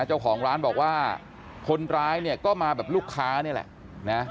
เจ้าของร้านบอกว่าคนร้ายเนี่ยก็มาแบบลูกค้านี่แหละนะ